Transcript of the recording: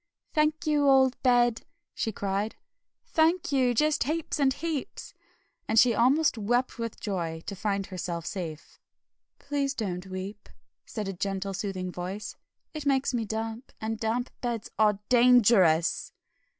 "Thank you, old Bed!" she cried, "thank you, just heaps and heaps!" And she almost wept with joy to find herself safe. "Please don't weep," said a gentle, soothing voice, "it makes me damp, and damp beds are DANGEROUS!"